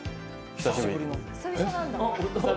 久しぶり。